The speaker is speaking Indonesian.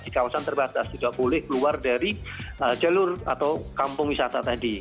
di kawasan terbatas tidak boleh keluar dari jalur atau kampung wisata tadi